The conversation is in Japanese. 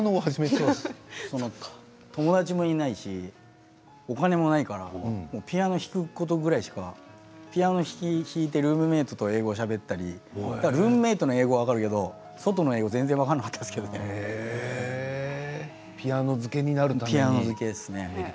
友達もいないしお金もないからピアノを弾くことぐらいしかピアノを弾いてルームメートと英語をしゃべったりルームメートの英語は分かるけど外の英語は全然分からなかったピアノ漬けになるために。